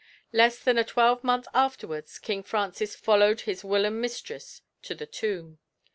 Less than a twelvemonth afterwards King Francis followed his whilom mistress to the tomb.